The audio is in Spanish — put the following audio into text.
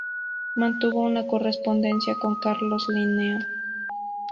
Mantuvo una correspondencia con Carlos Linneo.